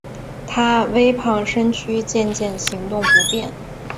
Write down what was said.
她微胖身躯渐渐行动不便